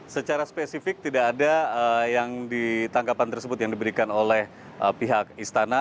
secara spesifik tidak ada yang ditangkapan tersebut yang diberikan oleh pihak istana